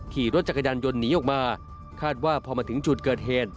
ขี่รถจักรยานยนต์หนีออกมาคาดว่าพอมาถึงจุดเกิดเหตุ